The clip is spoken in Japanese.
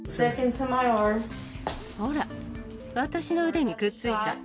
ほら、私の腕にくっついた。